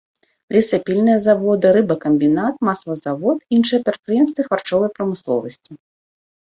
Лесапільныя заводы, рыбакамбінат, маслазавод, іншыя прадпрыемствы харчовай прамысловасці.